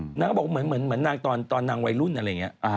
นางก็บอกเหมือนนางตอนนางวัยรุ่นอะไรอย่างนี้